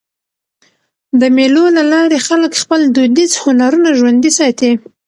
د مېلو له لاري خلک خپل دودیز هنرونه ژوندي ساتي.